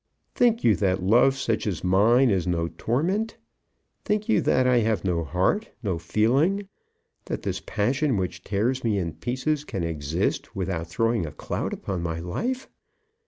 "Think you that love such as mine is no torment? Think you that I have no heart, no feeling; that this passion which tears me in pieces can exist without throwing a cloud upon my life?